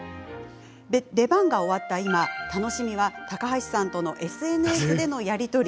出番が終わった今、楽しみは高橋さんとのＳＮＳでのやり取り。